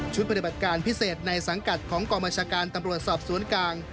ปฏิบัติการพิเศษในสังกัดของกองบัญชาการตำรวจสอบสวนกลาง